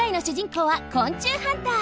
こうは昆虫ハンター。